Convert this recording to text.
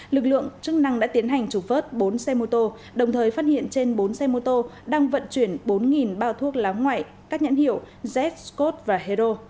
lực lượng chức năng đã tiến hành trục vớt bốn xe mô tô đồng thời phát hiện trên bốn xe mô tô đang vận chuyển bốn bao thuốc lá ngoại các nhãn hiệu z scott và hero